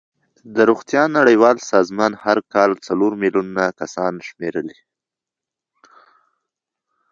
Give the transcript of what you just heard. د روغتیا نړیوال سازمان هر کال څلور میلیون کسان شمېرلې.